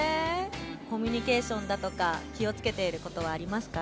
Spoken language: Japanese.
コミュニケーションだとか気をつけていることはありますか？